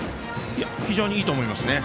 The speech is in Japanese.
非常にいいと思いますね。